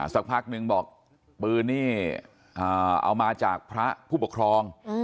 สักพักนึงบอกปืนนี่เอามาจากพระผู้ปกครอง